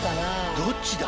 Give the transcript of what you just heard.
どっちだ？